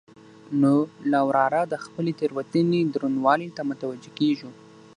نو له واره د خپلې تېروتنې درونوالي ته متوجه کېږو.